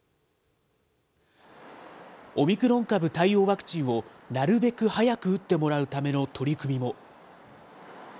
オミクロン株対応ワクチンをなるべく早く打ってもらうための取り組みも。